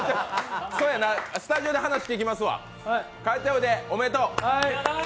そやな、スタジオで話聞きますわ、帰っておいで、おめでとう。